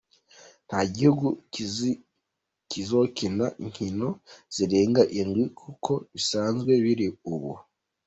Nta gihugu kizokina inkino zirenga indwi, nk'uko bisanzwe biri ubu.